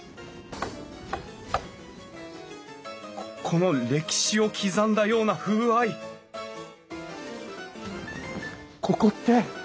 この歴史を刻んだような風合いここって！